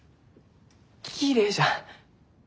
きれいじゃ。